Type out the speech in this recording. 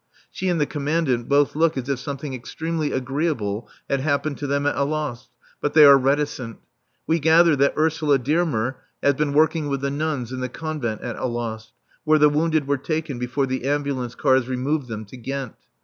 She and the Commandant both look as if something extremely agreeable had happened to them at Alost. But they are reticent. We gather that Ursula Dearmer has been working with the nuns in the Convent at Alost, where the wounded were taken before the ambulance cars removed them to Ghent.